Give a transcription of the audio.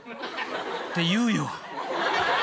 って言うよ。